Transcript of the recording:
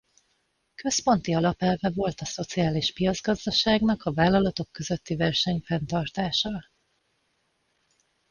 Központi alapelve volt a szociális piacgazdaságnak a vállalatok közötti verseny fenntartása.